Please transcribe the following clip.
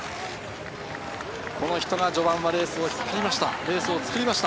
この人が序盤はレースを作りました。